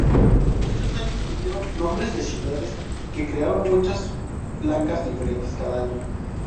Muchos años tuvieron nombres de ciudades que crearon muchas placas diferentes cada año.